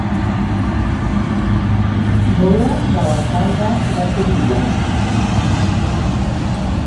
Boda de l'alcalde i la "Pubilla".